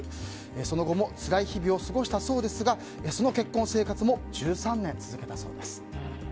その後もつらい日々を過ごしたそうですがその結婚生活も１３年続けたそうです。